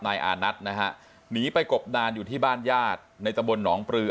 นายอานัทนะฮะหนีไปกบดานอยู่ที่บ้านญาติในตำบลหนองปลือ